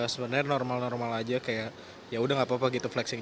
sebenarnya normal normal aja kayak ya udah gapapa gitu flexing